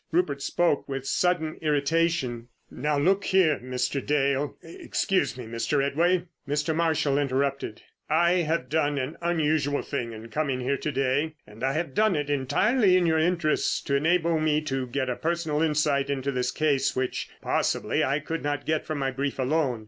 Rupert spoke with sudden irritation. "Now, look here, Mr. Dale—Excuse me, Mr. Redway!" Mr. Marshall interrupted—"I have done an unusual thing in coming here to day, and I have done it entirely in your interests, to enable me to get a personal insight into this case, which possibly I could not get from my brief alone.